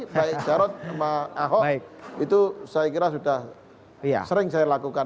baik jarod sama ahok itu saya kira sudah sering saya lakukan